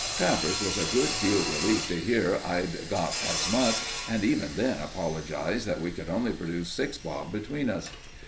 Travers was a good deal relieved to hear I'd got as much, and even then apologised that we could only produce six bob between us.